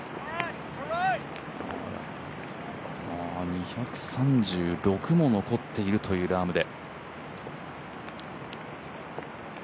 ２３６も残っているというラームで。